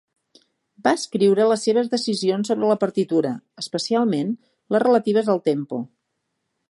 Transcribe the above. Va escriure les seves decisions sobre la partitura, especialment les relatives al tempo.